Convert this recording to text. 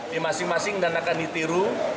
di masing masing dan akan ditiru